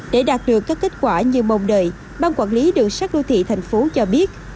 để đạt được các kết quả như mong đợi ban quản lý đường sắt đô thị thành phố cho biết